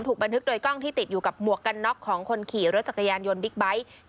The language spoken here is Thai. บันทึกโดยกล้องที่ติดอยู่กับหมวกกันน็อกของคนขี่รถจักรยานยนต์บิ๊กไบท์